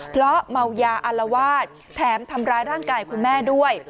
เพราะเมายาอารวาสแถมทำร้ายร่างกายคุณแม่ด้วย